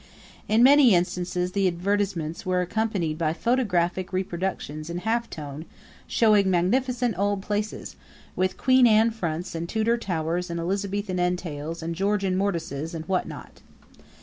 In many instances the advertisements were accompanied by photographic reproductions in half tone showing magnificent old places, with Queen Anne fronts and Tudor towers and Elizabethan entails and Georgian mortgages, and what not.